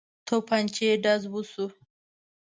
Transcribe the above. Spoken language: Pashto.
توپنچې ډز وشو.